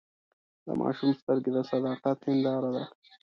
د ماشوم سترګې د صداقت هنداره ده.